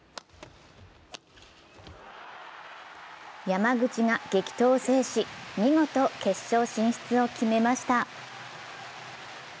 山口が激闘を制し、見事決勝進出を決めました。